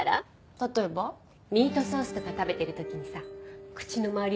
例えば？ミートソースとか食べてる時にさ口の周り